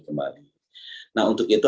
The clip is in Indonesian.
kembali nah untuk itu